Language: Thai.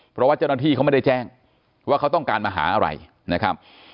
เพราะว่าเจ้าหน้าที่เขาไม่ได้แจ้งว่าเขาต้องการมาหาอะไรนะครับ